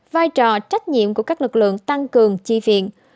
vai trò trách nhiệm của các lực lượng tăng cường chi viện